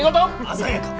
鮮やか。